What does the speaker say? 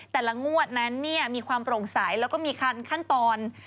แต่ละงวดนั้นมีความโปร่งใสแล้วก็มีคันขั้นตอน